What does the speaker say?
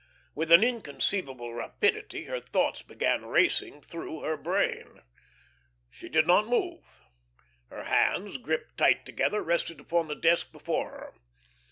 With an inconceivable rapidity her thoughts began racing through, her brain. She did not move. Her hands, gripped tight together, rested upon the desk before her.